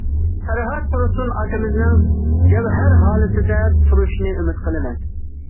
پەرھات تۇرسۇن ئاكىمىزنىڭ جەۋھەر ھالىتىدە تۇرۇشىنى ئۈمىد قىلىمەن.